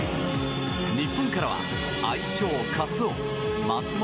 日本からは愛称カツオ松元